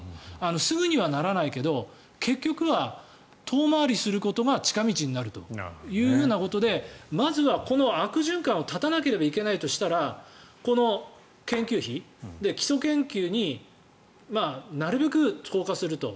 すぐにはならないけど結局は遠回りすることが近道になるということでまずはこの悪循環を断たなければいけないとしたらこの研究費、基礎研究になるべく投下すると。